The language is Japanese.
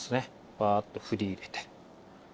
バーッとふり入れて。